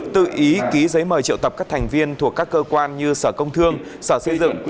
tự ý ký giấy mời triệu tập các thành viên thuộc các cơ quan như sở công thương sở xây dựng